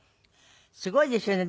すごいですよね。